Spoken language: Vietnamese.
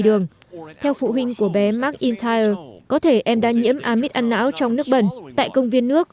đường theo phụ huynh của bé mcintyre có thể em đã nhiễm amib an não trong nước bẩn tại công viên nước